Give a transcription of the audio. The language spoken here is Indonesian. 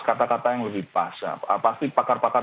kata kata yang lebih pas pasti pakar pakar